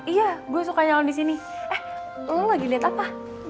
iya gue suka nyelon disini eh lo lagi liat apa